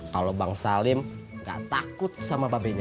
kalau bang salim nggak takut sama babenya